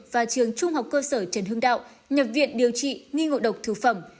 và trường trung học cơ sở trần hương đạo nhập viện điều trị nghi ngộ độc thử phẩm